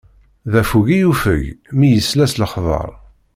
D affug i yuffeg, mi yesla s lexbaṛ.